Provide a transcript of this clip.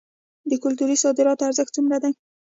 د کلتوري صادراتو ارزښت څومره دی؟